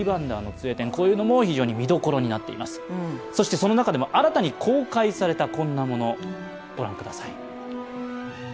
その中でも新たに公開されたこんなもの、ご覧ください。